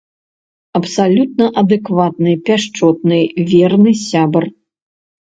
Абсалютна адэкватны, пяшчотны, верны сябар.